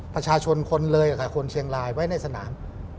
ประชาชนคนเลยกับคนเชียงรายไว้ในสนาม